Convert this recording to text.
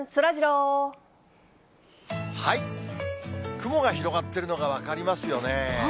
雲が広がってるのが分かりますよね。